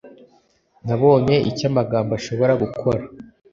nabonye icyo amagambo ashobora gukora,